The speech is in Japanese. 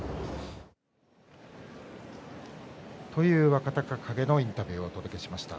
若隆景のインタビューをお届けしました。